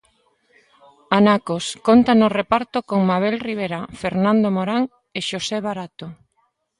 "Anacos" conta no reparto con Mabel Ribera, Fernando Morán e Xosé Barato.